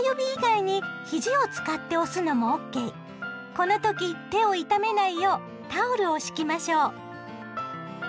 この時手を痛めないようタオルを敷きましょう。